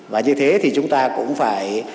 và như thế thì chúng ta cũng phải